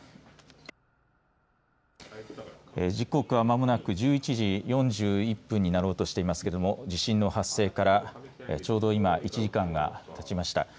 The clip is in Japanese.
時刻は間もなく１１時４１分になろうとしていますけれども地震の発生からちょうど今１時間がたちました。